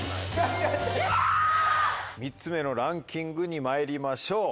３つ目のランキングにまいりましょう。